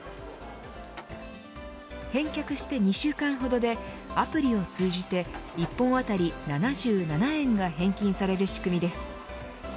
返却して２週間ほどでアプリを通じて１本あたり７７円が返金される仕組みです。